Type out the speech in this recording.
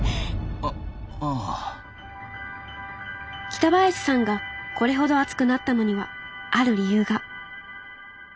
北林さんがこれほど熱くなったのにはある理由が。